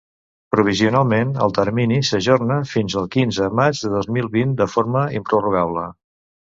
Provisionalment el termini s'ajorna fins al quinze maig de dos mil vint de forma improrrogable.